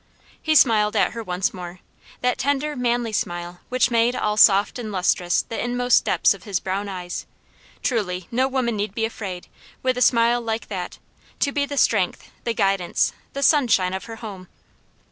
He smiled at her once more, that tender, manly smile which made all soft and lustrous the inmost depths of his brown eyes; truly no woman need be afraid, with a smile like that, to be the strength, the guidance, the sunshine of her home.